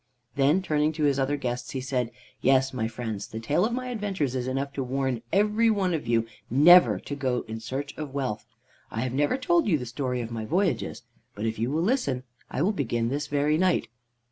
Then turning to his other guests he said, "Yes, my friends, the tale of my adventures is enough to warn every one of you never to go in search of wealth. I have never told you the story of my voyages, but if you will listen I will begin this very night."